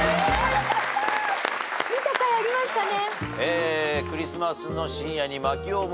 見たかいありましたね。